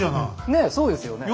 ねえそうですよね。